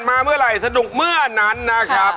มาเมื่อไหร่สนุกเมื่อนั้นนะครับ